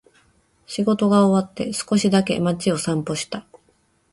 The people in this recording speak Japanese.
仕事が終わって、少しだけ街を散歩した。